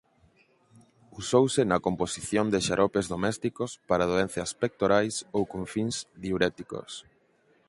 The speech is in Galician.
Usouse na composición de xaropes domésticos para doenzas pectorais ou con fins diuréticos.